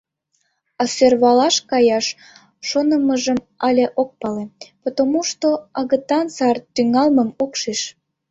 А сӧрвалаш каяш шонымыжым але ок пале, потомушто агытан сар тӱҥалмым ок шиж.